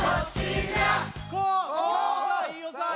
飯尾さん